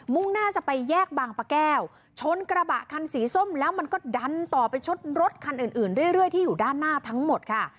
่งหน้าจะไปแยกบางปะแก้วชนกระบะคันสีส้มแล้วมันก็ดันต่อไปชดรถคันอื่นเรื่อยที่อยู่ด้านหน้าทั้งหมดค่ะ